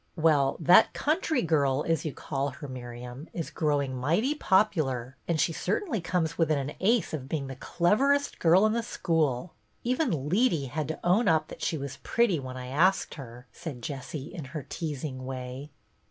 " Well, ' that country girl,' as you call her, Miriam, is growing miglity popular ; and she certainly comes within an ace of being the cleverest girl in the school. Even Leetey had to own up that she was jiretty when I asked her," said Jessie, in her teasing way.